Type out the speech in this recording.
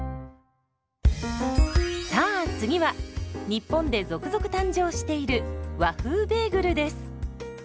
さあ次は日本で続々誕生している「和風ベーグル」です。